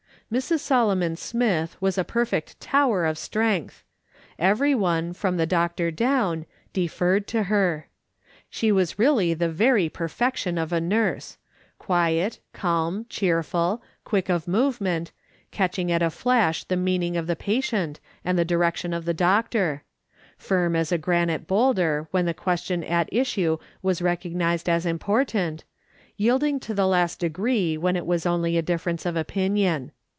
Mrs. Solomon Smith was a perfect tower of strength. Every one, from the doctor down, de ferred to her. She was really the very perfection of a nurse — quiet, calm, cheerful, quick of move ment, catching at a flash the meaning of the patient, and the direction of the doctor ; firm as a granite boulder when the question at issue was recognised as important, yielding to the last degree when it was only a difference of opinion.